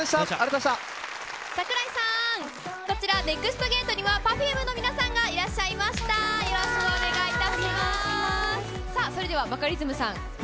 櫻井さん、こちら、ＮＥＸＴゲートには、Ｐｅｒｆｕｍｅの皆さんがいらっしゃいました。